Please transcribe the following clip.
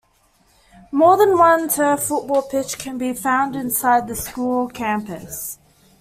More than one turfed football pitch can be found inside the school campus.